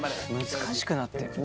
難しくなって。